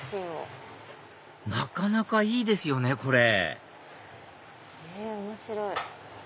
なかなかいいですよねこれ面白い！